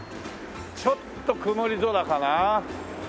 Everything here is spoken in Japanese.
ちょっと曇り空かな。